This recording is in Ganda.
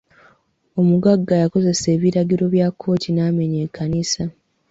Omugagga yakozesa ebiragiro bya kkooti n'amenya ekkanisa.